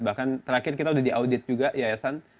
bahkan terakhir kita sudah diaudit juga yayasan